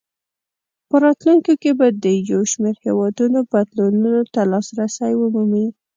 په راتلونکو کې به یو شمېر هېوادونه بدلونونو ته لاسرسی ومومي.